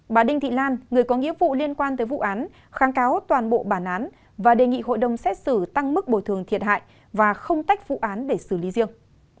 bà đinh thị lan người có nghĩa vụ liên quan tới vụ án kháng cáo toàn bộ bản án và đề nghị hội đồng xét xử tăng mức bồi thường thiệt hại và không tách vụ án để xử lý riêng